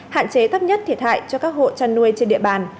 hạn chế thấp nhất thiệt hại cho các hộ chăn nuôi trên địa bàn